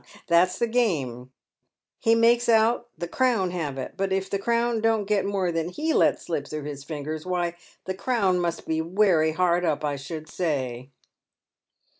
that's the game ! He makes out the Crown have it ; but if the Crown don't get more than he lets slip through his fingers, why the Crown must be wery hard up, I should say."